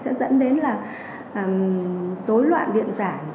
sẽ dẫn đến là rối loạn điện giải